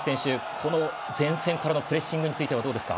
この前線からのプレッシングはどうですか？